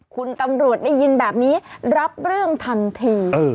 คุณตำรวจได้ยินแบบนี้รับเรื่องทันที